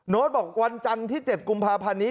บอกวันจันทร์ที่๗กุมภาพันธ์นี้